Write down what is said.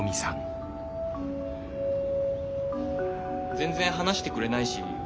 全然話してくれないし。